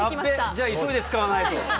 じゃあ急いで使わないと。